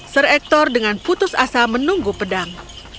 ser ektor dengan putus asa menunggu pedang